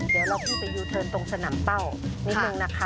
เดี๋ยวเราขึ้นไปยูเทิร์นตรงสนามเป้านิดนึงนะคะ